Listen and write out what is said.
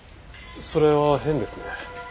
それは変ですね。